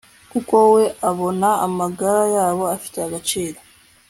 kuko we abona amagara yabo afite agaciro